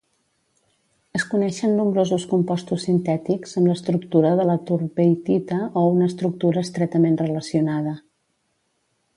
Es coneixen nombrosos compostos sintètics amb l'estructura de la thortveitita o una estructura estretament relacionada.